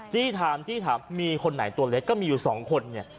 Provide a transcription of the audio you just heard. จี้ถามจี้ถามมีคนไหนตัวเล็กก็มีอยู่สองคนเนี่ย